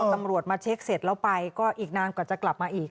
ตำรวจมาเช็คเสร็จแล้วไปก็อีกนานกว่าจะกลับมาอีก